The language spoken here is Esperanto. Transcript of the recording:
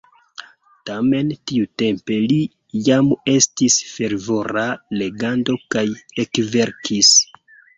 Tamen tiutempe li jam estis fervora leganto kaj ekverkis.